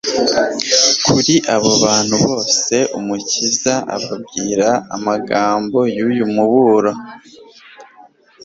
Kuri abo bantu bose, Umukiza ababwira amagambo y'uyu muburo